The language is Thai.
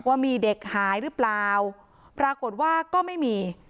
ว่ามีเด็กหายหรือเปล่าปรากฏว่าก็ไม่มี